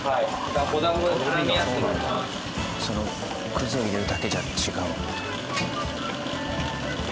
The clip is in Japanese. くずを入れるだけじゃ違うんだ。